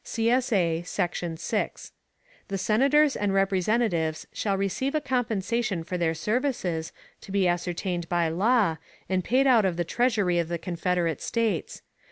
[CSA] Section 6. The Senators and Representatives shall receive a compensation for their services, to be ascertained by law, and paid out of the Treasury of the Confederate States.